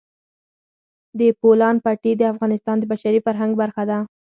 د بولان پټي د افغانستان د بشري فرهنګ برخه ده.